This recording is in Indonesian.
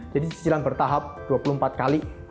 jadi cicilan bertahap dua puluh empat kali